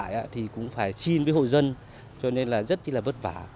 thị trấn hiện tại cũng phải xin với hộ dân cho nên rất là vất vả